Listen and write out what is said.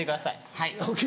はい。